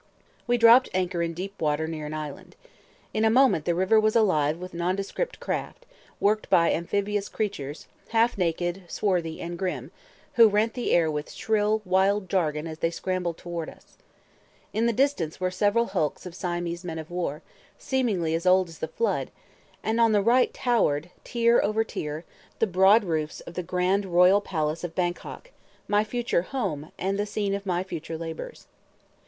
We dropped anchor in deep water near an island. In a moment the river was alive with nondescript craft, worked by amphibious creatures, half naked, swarthy, and grim, who rent the air with shrill, wild jargon as they scrambled toward us. In the distance were several hulks of Siamese men of war, seemingly as old as the flood; and on the right towered, tier over tier, the broad roofs of the grand Royal Palace of Bangkok, my future "home" and the scene of my future labors.